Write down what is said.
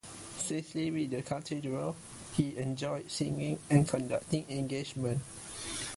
Since leaving the Cathedral he has enjoyed singing and conducting engagements.